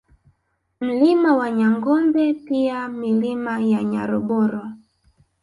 Mlima wa Nyangombe pia Milima ya Nyaroboro